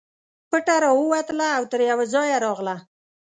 پټه راووتله او تر یوه ځایه راغله.